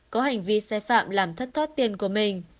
có hành vi sai phạm làm thất thoát tiền của mình